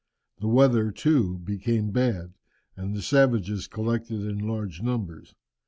The weather, too, became bad, and the savages collected in large numbers.